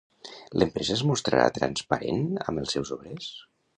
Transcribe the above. L'empresa es mostrarà transparent amb els seus obrers?